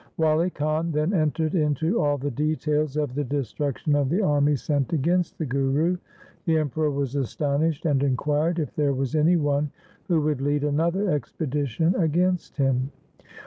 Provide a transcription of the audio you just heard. Wali Khan then entered into all the details of the destruction of the army LIFE OF GURU HAR GOBIND sent against the Guru. The Emperor was astonished, and inquired if there was any one who would lead another expedition against him.